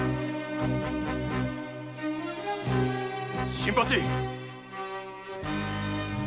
新八。